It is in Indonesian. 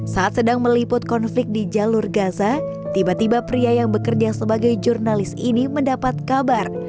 saat sedang meliput konflik di jalur gaza tiba tiba pria yang bekerja sebagai jurnalis ini mendapat kabar